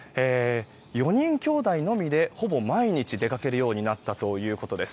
４人きょうだいのみでほぼ毎日出かけるようになったということです。